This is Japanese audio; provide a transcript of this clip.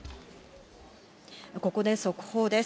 ここで速報です。